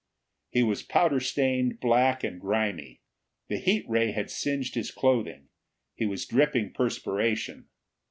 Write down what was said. He was powder stained, black and grimy. The heat ray had singed his clothing. He was dripping perspiration.